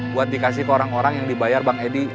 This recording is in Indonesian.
buat dikasih ke orang orang yang dibayar bang edi